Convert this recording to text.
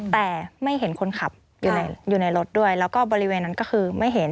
แต่ไม่เห็นคนขับอยู่ในรถด้วยแล้วก็บริเวณนั้นก็คือไม่เห็น